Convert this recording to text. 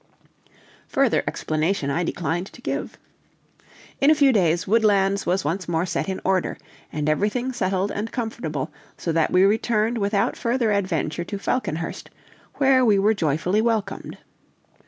Further explanation I declined to give. In a few days Woodlands was once more set in order, and everything settled and comfortable, so that we returned without further adventure to Falconhurst, where we were joyfully welcomed.